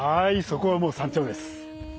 そこはもう山頂です。